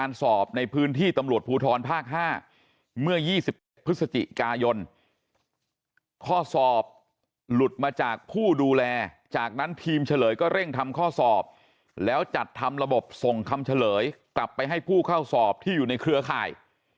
สอบข้อสอบหลุดมาจากผู้ดูแลจากนั้นทีมเฉลยก็เร่งทำข้อสอบแล้วจัดทำระบบส่งคำเฉลยกลับไปให้ผู้เข้าสอบที่อยู่ในเครือข่าย